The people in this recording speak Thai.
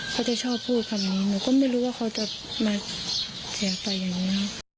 เขาจะชอบพูดคำนี้หนูก็ไม่รู้ว่าเขาจะมาอยากไปอย่างนี้